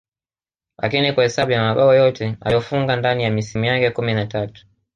lakini kwa hesabu ya mabao yote aliyofunga ndani ya misimu yake kumi na tatu